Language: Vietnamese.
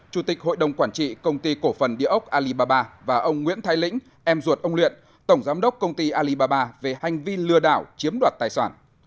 chủ tịch hội đồng quản trị công ty cổ phần địa ốc alibaba và ông nguyễn thái lĩnh em ruột ông luyện tổng giám đốc công ty alibaba về hành vi lừa đảo chiếm đoạt tài sản